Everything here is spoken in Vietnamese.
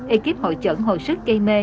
ekip hội trận hồi sức cây mê